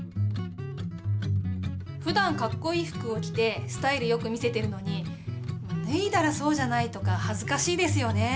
ふだんかっこいい服をきてスタイル良く見せてるのにぬいだらそうじゃないとかはずかしいですよねえ。